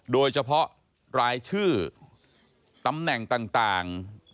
โดยเฉพาะรายชื่อตำแหน่งต่าง